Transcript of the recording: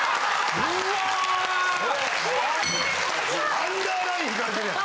・アンダーライン引かれてるやん。